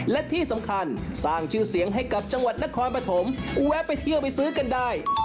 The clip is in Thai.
และที่สำคัญสร้างชื่อเสียงให้กับจังหวัดนครปฐมแวะไปเที่ยวไปซื้อกันได้